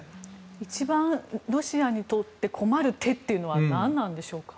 一番ロシアにとって困る手というのは何なんでしょうか。